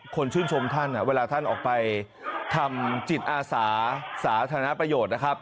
คนชื่นชมท่านเวลาท่านออกไปทำจิตอาสาสาธารณประโยชน์นะครับ